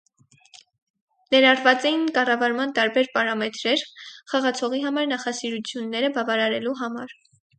Ներառված էին կառավարման տարբեր պարամետրեր՝ խաղացողի համար նախասիրությունները բավարարելու համար։